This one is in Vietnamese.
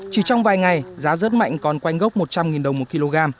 chỉ trong vài ngày giá rất mạnh còn quanh gốc một trăm linh đồng một kg